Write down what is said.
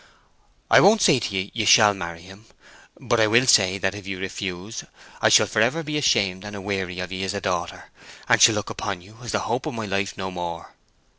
I won't say to ye, you shall marry him. But I will say that if you refuse, I shall forever be ashamed and a weary of ye as a daughter, and shall look upon you as the hope of my life no more.